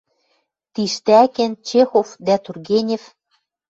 Тиштӓкен Чехов дӓ Тургенев